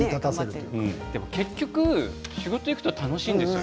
結局仕事に行くと楽しいんです